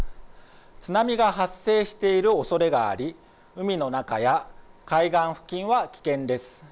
津波が発生しているおそれがあり海の中や海岸付近は危険です。